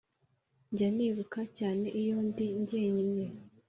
njya nibuka cyane iyo ndi jyenyine